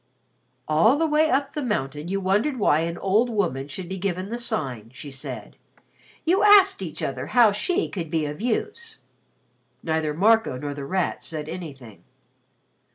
"All the way up the mountain you wondered why an old woman should be given the Sign," she said. "You asked each other how she could be of use." Neither Marco nor The Rat said anything.